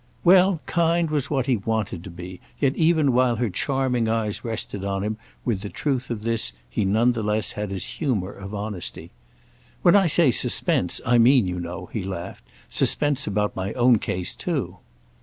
Well, kind was what he wanted to be; yet even while her charming eyes rested on him with the truth of this he none the less had his humour of honesty. "When I say suspense I mean, you know," he laughed, "suspense about my own case too!"